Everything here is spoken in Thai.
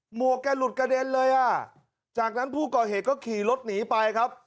หวกแกหลุดกระเด็นเลยอ่ะจากนั้นผู้ก่อเหตุก็ขี่รถหนีไปครับ